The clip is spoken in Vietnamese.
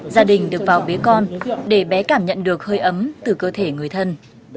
gia đình được vào bế con để bé cảm nhận được hơi ấm từ cơ thể người thân